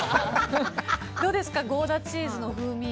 どうですかゴーダチーズの風味。